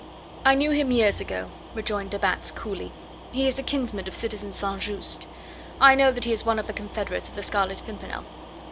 "I knew him years ago," rejoined de Batz coolly; "he is a kinsman of citizen St. Just. I know that he is one of the confederates of the Scarlet Pimpernel."